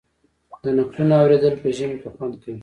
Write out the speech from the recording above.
د نکلونو اوریدل په ژمي کې خوند کوي.